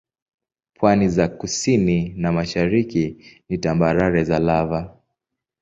Pwani za kusini na mashariki ni tambarare za lava.